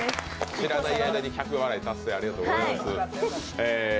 知らない間に１００笑い達成ありがとうございます。